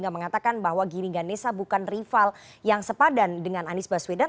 mengatakan bahwa giringganesa bukan rival yang sepadan dengan anies baswedan